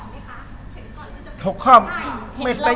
ยกเลิกอันเก่ามาแล้วแก้อันใหม่